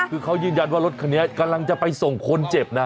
คือเขายืนยันว่ารถคันนี้กำลังจะไปส่งคนเจ็บนะ